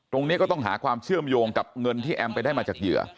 ตรงนี้ก็ต้องหาความเชื่อมโยงกับเงินที่แอมไปได้มาจากเหยื่อ